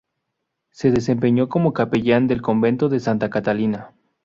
Se desempeñó como capellán del Convento de Santa Catalina.